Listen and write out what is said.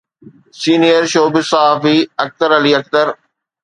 senior show business صحافي اختر علي اختر